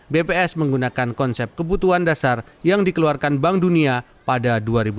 bps menggunakan konsep kebutuhan dasar yang dikeluarkan bank dunia pada dua ribu dua puluh